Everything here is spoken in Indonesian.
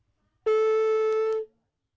pertama suara dari biasusu